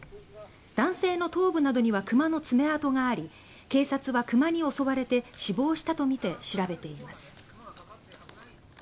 男性の頭部などには熊の爪痕があり警察は熊に襲われて死亡したとみて調べています。